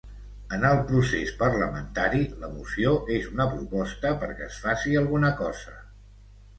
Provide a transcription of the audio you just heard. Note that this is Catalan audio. En el procés parlamentari, la moció és una proposta perquè es faci alguna cosa.